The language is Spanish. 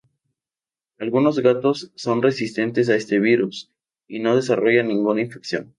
Algunos gatos son resistentes a este virus y no desarrollan ninguna infección.